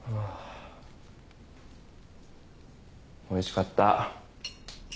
おいしかった。